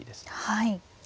はい。